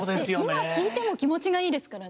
今聞いても気持ちがいいですからね。